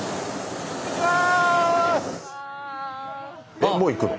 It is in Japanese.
えっもう行くの？